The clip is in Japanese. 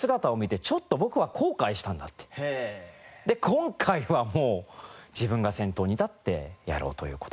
今回はもう自分が先頭に立ってやろうという事ですね。